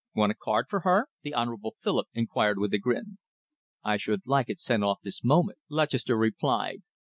"Want a card for her?" the Honourable Philip inquired with a grin. "I should like it sent off this moment," Lutchester replied.